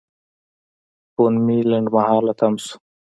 فون مې لنډمهاله تم شو.